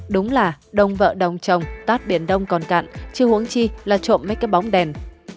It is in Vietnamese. đúng là đông vợ đồng chồng tát biển đông còn cạn chứ huống chi là trộm mấy cái bóng đèn